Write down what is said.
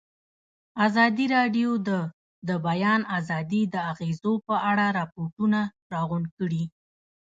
ازادي راډیو د د بیان آزادي د اغېزو په اړه ریپوټونه راغونډ کړي.